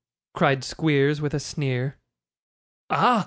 cried Squeers, with a sneer. 'Ah!